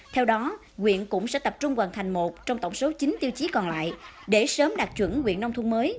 theo đó quyện cũng sẽ tập trung hoàn thành một trong tổng số chín tiêu chí còn lại để sớm đạt chuẩn quyện nông thôn mới